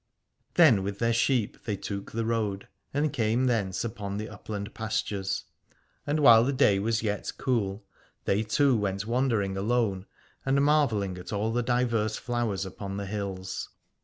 Then with their sheep they took the road, and came thence upon the upland pastures. And while the day was yet cool they two went wandering alone, and marvelling at all 303 Alad ore the diverse flowers upon the hills.